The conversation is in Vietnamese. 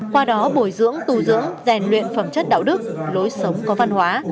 qua đó bồi dưỡng tù dưỡng rèn luyện phẩm chất đạo đức lối sống có văn hóa